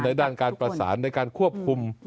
ด้านการประสานในการควบคุม